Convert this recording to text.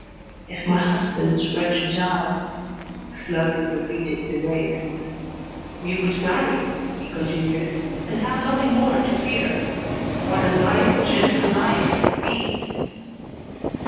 "If my husband were to die," slowly repeated Thérèse. "We would marry," he continued, "and have nothing more to fear. What a nice, gentle life it would be!"